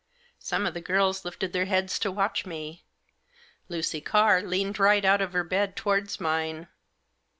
Some of the girls lifted their heads to watch me. Lucy Carr leaned right out of her bed towards mine.